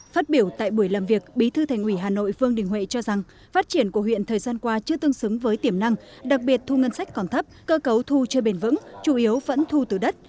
phát biểu tại buổi làm việc bí thư thành ủy hà nội vương đình huệ cho rằng phát triển của huyện thời gian qua chưa tương xứng với tiềm năng đặc biệt thu ngân sách còn thấp cơ cấu thu chưa bền vững chủ yếu vẫn thu từ đất